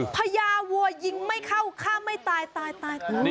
พญาวัวยิงไม่เข้าฆ่าไม่ตายตาย